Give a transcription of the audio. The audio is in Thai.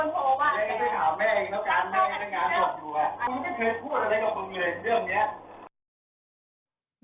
โอ๊ยทำไมแล้วพี่ทำไมแล้วกันจะดี